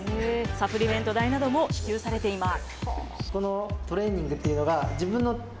サプリメント代なども支給されています。